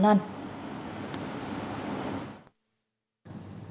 anh đinh văn quý